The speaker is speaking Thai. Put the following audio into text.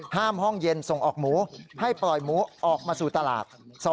ห้องเย็นส่งออกหมูให้ปล่อยหมูออกมาสู่ตลาด